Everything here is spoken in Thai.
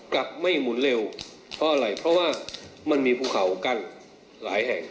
กลับไม่หมุนเร็วเพราะอะไรเพราะว่ามันมีภูเขากั้นหลายแห่ง